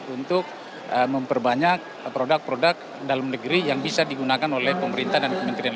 untuk memperbanyak produk produk dalam negeri yang bisa digunakan oleh pemerintah dan kementerian